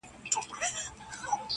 هغه نوري ورځي نه در حسابیږي-